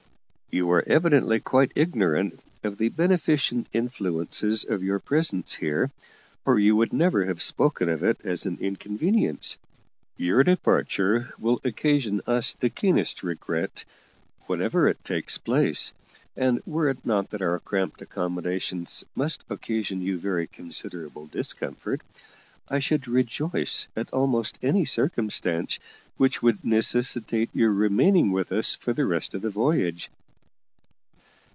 You are evidently quite ignorant of the beneficent influences of your presence here, or you would never have spoken of it as an inconvenience. Your departure will occasion us the keenest regret whenever it takes place, and were it not that our cramped accommodations must occasion you very considerable discomfort, I should rejoice at almost any circumstance which would necessitate your remaining with us for the rest of the voyage."